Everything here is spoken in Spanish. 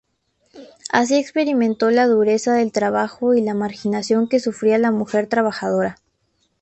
Así experimentó la dureza del trabajo y la marginación que sufría la mujer trabajadora.